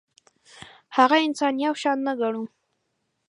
هغه انسان یو شان نه ګڼو.